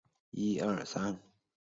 制作名单来自唱片内页说明文字。